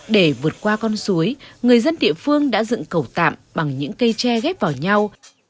để vượt qua con suối người dân địa phương đã dựng cầu tạm bằng những cây tre ghép vào nhau